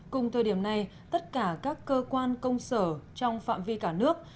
cùng thời điểm này tất cả các cơ quan công sở trong phạm vi cả nước